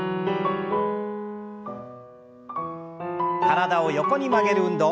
体を横に曲げる運動。